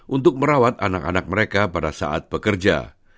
untuk merawat anak anak mereka pada saat bekerja